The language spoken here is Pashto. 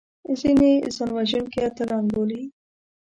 ځینې ځانوژونکي اتلان بولي